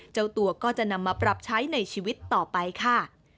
เจ้าตัวก็จะนำมาปรับใช้ในชีวิตต่อไปค่ะ